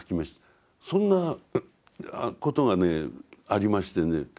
そんなことがねありましてね